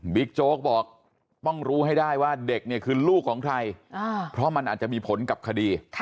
โจ๊กบอกต้องรู้ให้ได้ว่าเด็กเนี่ยคือลูกของใครเพราะมันอาจจะมีผลกับคดี